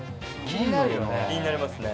気になりますね。